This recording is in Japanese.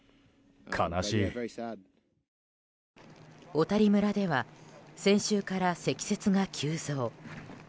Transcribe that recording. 小谷村では先週から積雪が急増。